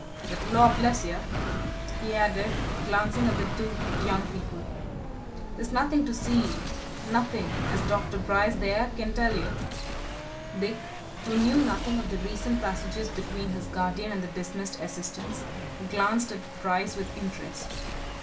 But lor' bless yer!" he added, glancing at the two young people. "There's nothing to see nothing! as Dr. Bryce there can tell you." Dick, who knew nothing of the recent passages between his guardian and the dismissed assistant, glanced at Bryce with interest.